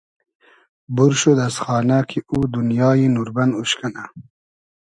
بور شود از خانۂ کی او دونیای نوربئن اوش کئنۂ